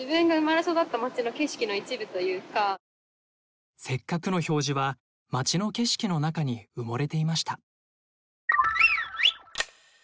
よくよく考えたらせっかくの表示は街の景色の中に埋もれていました。